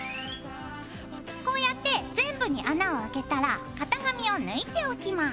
こうやって全部に穴をあけたら型紙を抜いておきます。